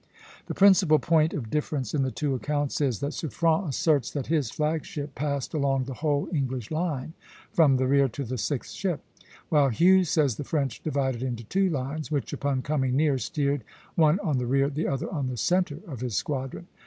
The principal point of difference in the two accounts is, that Suffren asserts that his flag ship passed along the whole English line, from the rear to the sixth ship; while Hughes says the French divided into two lines, which, upon coming near, steered, one on the rear, the other on the centre, of his squadron.